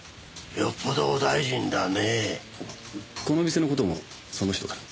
この店の事もその人から。